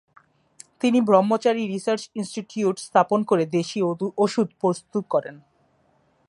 তিনি Brahmachari research institute স্থাপন করে দেশী ওষুধ প্রস্তুত করেন।